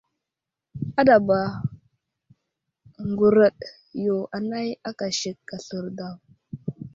Aɗaba ŋgurəɗ yo anay aka sek aslər daw.